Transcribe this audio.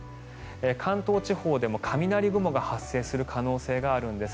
関東地方でも雷雲が発生する恐れがあるんです。